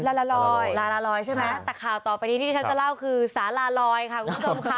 ลาลาลอยลาลาลอยใช่ไหมแต่ข่าวต่อไปนี้ที่ที่ฉันจะเล่าคือสาราลอยค่ะคุณผู้ชมค่ะ